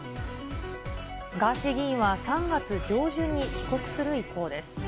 ガーシー議員は３月上旬に帰国する意向です。